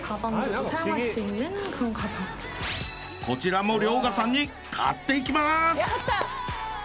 こちらも遼河さんに買っていきます。